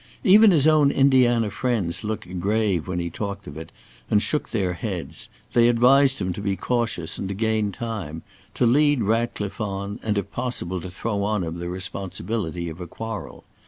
Even his own Indiana friends looked grave when he talked of it, and shook their heads. They advised him to be cautious and gain time; to lead Ratcliffe on, and if possible to throw on him the responsibility of a quarrel.